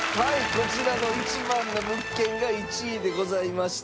こちらの１番の物件が１位でございました。